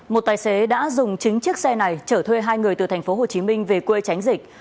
một tài xế đã dùng chính chiếc xe này chở thuê hai người từ tp hcm về quê tránh dịch